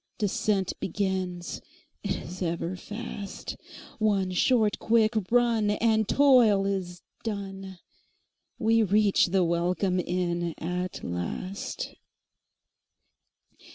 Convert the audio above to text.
Descent begins, 't is ever fast—One short quick run, and toil is done, We reach the welcome inn at last.